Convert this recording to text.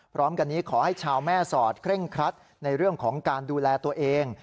พร้อมกันนี้ขอให้ชาวแม่สอดเคร่งครัดในเรื่องของการดูแลตัวเอง